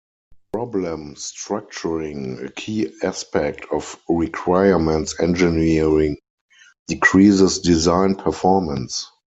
Problem structuring, a key aspect of requirements engineering, decreases design performance.